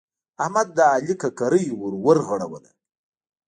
احمد د علي ککرۍ ور ورغړوله.